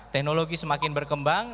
teknologi semakin berkembang